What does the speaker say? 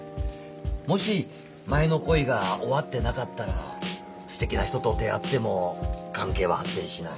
もし前の恋が終わってなかったらステキな人と出会っても関係は発展しない。